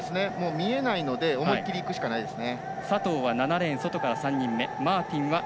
見えないので思い切りいくしかないですね。